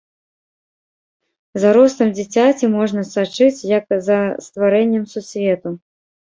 За ростам дзіцяці можна сачыць як за стварэннем сусвету.